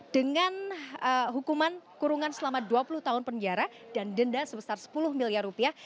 dengan hukuman kurungan selama dua puluh tahun penjara dan denda sebesar sepuluh miliar rupiah